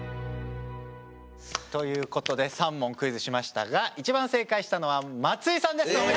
ということで３問クイズしましたが一番正解したのは松井さんです。